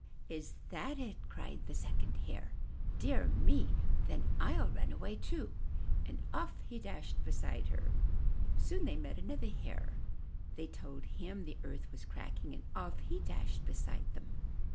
*'Is that it?'* cried the second Hare. "Dear me! Then Fll run away too!*' and off he dashed beside her. Soon they met another Hare; they told him the earth was cracking, and off he dashed beside them.